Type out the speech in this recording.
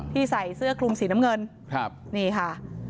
ใส่เสื้อคลุมสีน้ำเงินนี่ค่ะ